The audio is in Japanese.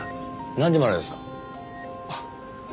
何時までですか？